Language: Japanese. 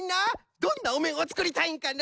どんなおめんをつくりたいんかな？